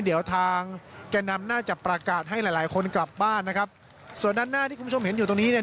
เดี๋ยวทางแก่นำน่าจะประกาศให้หลายหลายคนกลับบ้านนะครับส่วนด้านหน้าที่คุณผู้ชมเห็นอยู่ตรงนี้เนี่ย